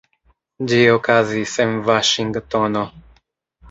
Ĝi okazis en Vaŝingtono.